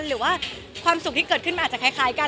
หรือว่าความสุขที่เกิดขึ้นมันอาจจะคล้ายกัน